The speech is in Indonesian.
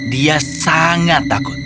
dia sangat takut